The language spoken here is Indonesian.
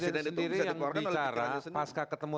presiden sendiri yang bicara pasca ketemu